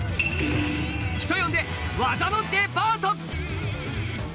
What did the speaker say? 人呼んで技のデパート。